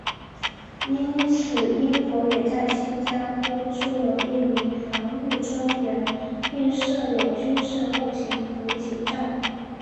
因此英国也在新加坡驻有一名防务专员并设有军事后勤补给站。